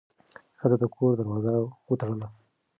ښځه د کور دروازه وتړله.